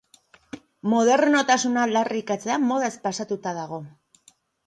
Modernotasuna aldarrikatzea modaz pasatuta dago.